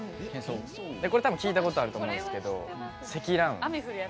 これは多分聞いたことがあると思うんですけど積乱雲。